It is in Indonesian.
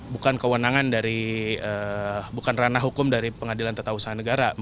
bukan kewenangan dari bukan ranah hukum dari pengadilan tata usaha negara